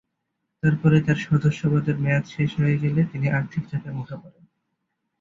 তারপরে তার সদস্যপদের মেয়াদ শেষ হয়ে গেলে তিনি আর্থিক চাপের মুখে পড়েন।